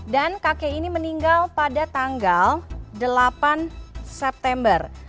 dan kakek ini meninggal pada tanggal delapan september